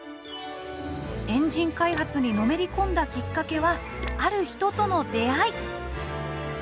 エンジン開発にのめり込んだきっかけはある人との出会い。